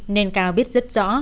nên cao biết rất rõ